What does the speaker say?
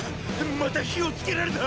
また火をつけられた！